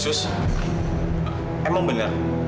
sus emang bener